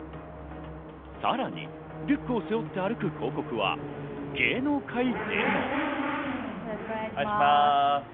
さらにリュックを背負って歩く広告は芸能界でも。